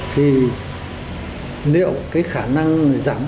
thì nếu khả năng giảm